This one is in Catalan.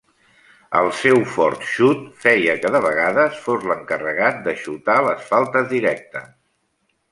El seu fort xut feia que de vegades fos l'encarregat de xutar les faltes directes.